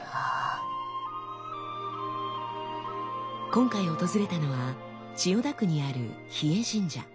今回訪れたのは千代田区にある日枝神社。